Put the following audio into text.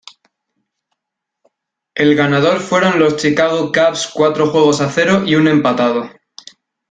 El ganador fueron los Chicago Cubs cuatro juegos a cero y un empatado.